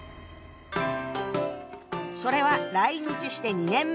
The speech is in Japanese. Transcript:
それは来日して２年目。